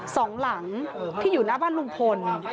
สองหลังที่อยู่หน้าบ้านลุงพล